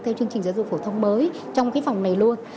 theo chương trình giáo dục phổ thông mới trong cái phòng này luôn